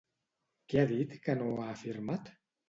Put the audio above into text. Què ha dit que no ha afirmat?